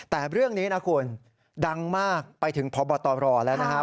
แต่เรื่องนี้นะคุณดังมากไปถึงพบตรแล้วนะฮะ